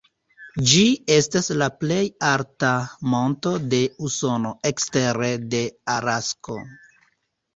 Ĝi estas la plej alta monto de Usono ekstere de Alasko.